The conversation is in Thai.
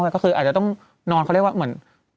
ก็คืออาจจะต้องนอนเขาเรียกว่าเหมือน